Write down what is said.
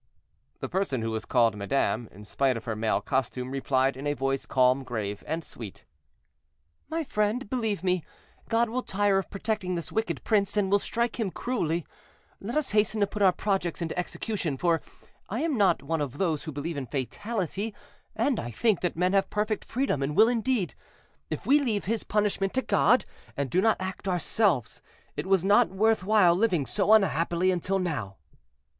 The person who was called madame, in spite of her male costume, replied in a voice calm, grave, and sweet: "My friend, believe me, God will tire of protecting this wicked prince, and will strike him cruelly; let us hasten to put our projects into execution, for I am not one of those who believe in fatality, and I think that men have perfect freedom in will and deed. If we leave his punishment to God, and do not act ourselves, it was not worth while living so unhappily until now."